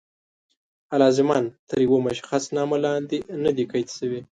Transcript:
الزاماً تر یوه مشخص نامه لاندې نه دي قید شوي.